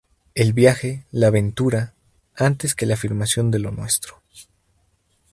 El viaje, la aventura, antes que la afirmación de 'lo nuestro'.